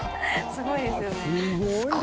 すごいですね。